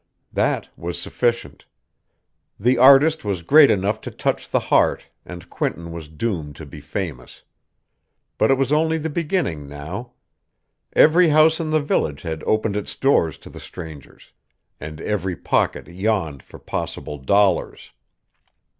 That was sufficient! The artist was great enough to touch the heart and Quinton was doomed to be famous! But it was only the beginning now. Every house in the village had opened its doors to the strangers; and every pocket yawned for possible dollars.